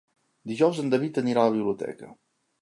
Dijous en David anirà a la biblioteca.